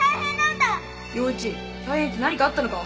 陽一大変って何かあったのか？